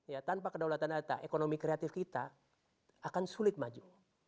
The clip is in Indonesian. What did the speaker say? ya tanpa kedaulatan data ekonomi kreatif kita akan sulit maju